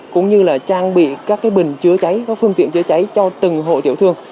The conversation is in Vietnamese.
cũng như là trang bị các bình chữa cháy các phương tiện chữa cháy cho từng hộ tiểu thương